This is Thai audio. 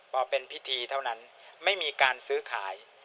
พอเป็นพิธีเท่านั้นไม่มีการซื้อขาย